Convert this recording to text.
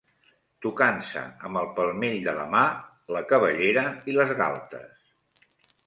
Tocant-se amb el palmell de la mà la cabellera i les galtes